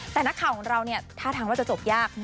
แต่นักข่าวของเราเนี่ยท่าทางว่าจะจบยาก